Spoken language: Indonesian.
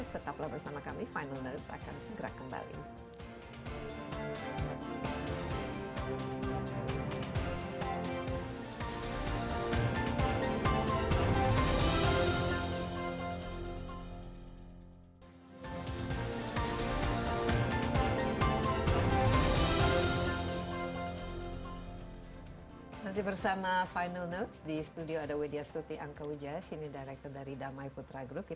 tetaplah bersama kami final notes akan segera kembali